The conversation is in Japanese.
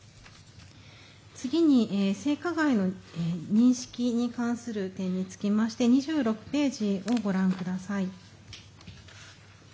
次に性加害の認識に関する点につきまして２６ページをご覧ください。